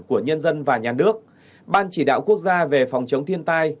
của nhân dân và nhà nước ban chỉ đạo quốc gia về phòng chống thiên tai